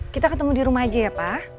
kita ketemu di rumah aja ya pak